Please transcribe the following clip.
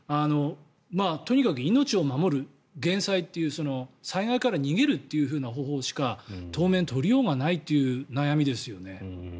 とにかく命を守る、減災という災害から逃げるという方法しか当面取りようがないという悩みですよね。